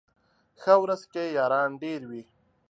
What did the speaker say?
ښه ورځ کي ياران ډېر وي